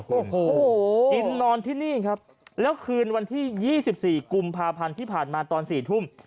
โอ้โหกินนอนที่นี่ครับแล้วคืนวันที่๒๔กุมภาพันธ์ที่ผ่านมาตอน๔ทุ่ม